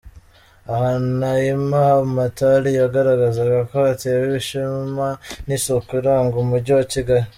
Aha, Naima Hamatali yagaragazaga ko atewe ishema n'isiku iranga umujyi wa Kigali.